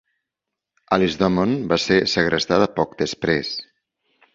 Alice Domon va ser segrestada poc després.